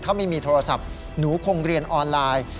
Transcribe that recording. ถ้าไม่มีโทรศัพท์หนูคงเรียนออนไลน์